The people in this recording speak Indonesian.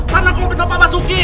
sana aku yang bencana sama suki